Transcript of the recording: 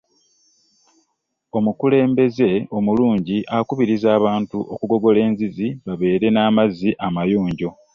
omukulembeze omulungi akubiriza abantu okugogola ezizi babeere n'amazi amayonjo